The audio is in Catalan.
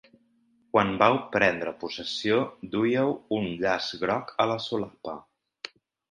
Quan vau prendre possessió dúieu un llaç groc a la solapa.